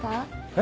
え？